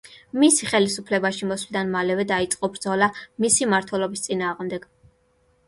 მისი ხელისუფლებაში მოსვლიდან მალევე დაიწყო ბრძოლა მისი მმართველობის წინააღმდეგ.